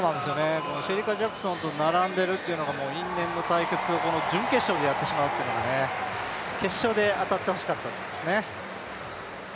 シェリカ・ジャクソンと並んでいるというのが、因縁の対決を準決勝でやってしまうというのが、決勝で当たってほしかったですね。